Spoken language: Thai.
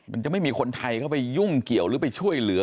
มันจะไม่มีคนไทยเข้าไปยุ่งเกี่ยวหรือไปช่วยเหลือ